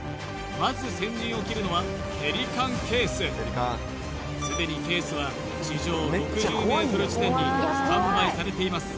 まず先陣を切るのはペリカンケースすでにケースは地上６０ｍ地点にスタンバイされています